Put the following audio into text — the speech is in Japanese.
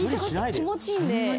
気持ちいいんで。